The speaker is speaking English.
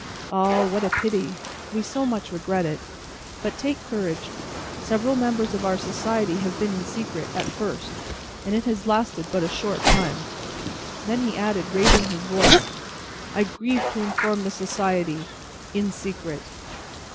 "Ah, what a pity! We so much regret it! But take courage; several members of our society have been in secret, at first, and it has lasted but a short time." Then he added, raising his voice, "I grieve to inform the society in secret."